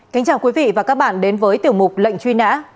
kính chào quý vị và các bạn đến với tiểu mục lệnh truy nã